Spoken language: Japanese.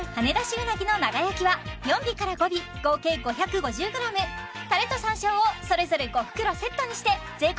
うなぎの長焼きは４尾から５尾合計５５０ｇタレと山椒をそれぞれ５袋セットにして税込